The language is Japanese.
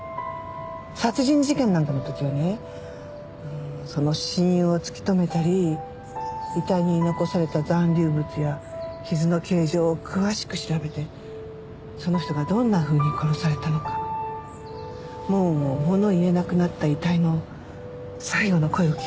殺人事件なんかの時はねその死因を突き止めたり遺体に残された残留物や傷の形状を詳しく調べてその人がどんなふうに殺されたのかもう物言えなくなった遺体の最期の声を聞くの。